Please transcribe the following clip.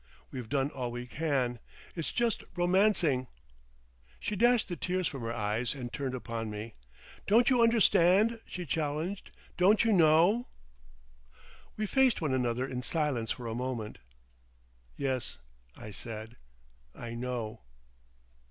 We've done all we can. It's just romancing—" She dashed the tears from her eyes and turned upon me. "Don't you understand?" she challenged. "Don't you know?" We faced one another in silence for a moment. "Yes," I said, "I know."